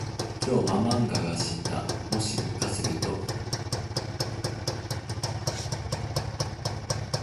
きょう、ママンが死んだ。もしかすると、昨日かも知れないが、私にはわからない。